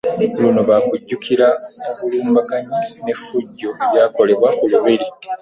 Luno ba kujjukiranga obulumbaganyi n'effujjo ebyakolebwa ku Lubiri.